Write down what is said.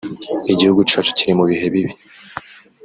Igihugu cyacu kiri mu bihe bibi